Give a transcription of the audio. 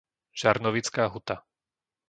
Žarnovická Huta